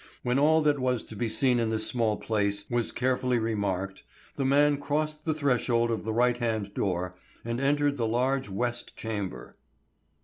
When all that was to be seen in this small place was carefully remarked, the man crossed the threshold of the right hand door and entered the large west chamber.